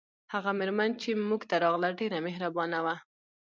هغه میرمن چې موږ ته راغله ډیره مهربانه وه